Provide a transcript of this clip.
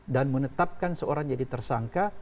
dan menetapkan seorang jadi tersangka